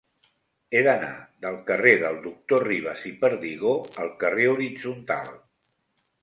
He d'anar del carrer del Doctor Ribas i Perdigó al carrer Horitzontal.